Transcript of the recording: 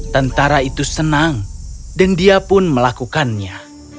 tentara itu senang dan dia pun melakukannya